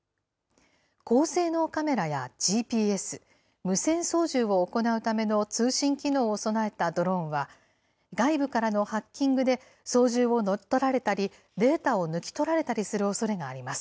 高性能カメラやＧＰＳ、無線操縦を行うための通信機能を備えたドローンは、外部からのハッキングで操縦を乗っ取られたり、データを抜き取られたりするおそれがあります。